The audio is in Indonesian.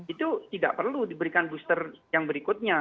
itu tidak perlu diberikan booster yang berikutnya